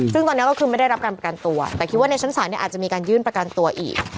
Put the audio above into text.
ซึ่งตอนนี้ก็คือไม่ได้รับการประกันตัวแต่คิดว่าในชั้นศาลเนี่ยอาจจะมีการยื่นประกันตัวอีก